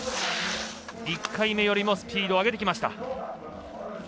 １回目よりもスピード上げてきました。